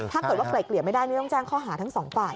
ถ้าเกิดว่าไกล่เกลี่ยไม่ได้นี่ต้องแจ้งข้อหาทั้งสองฝ่าย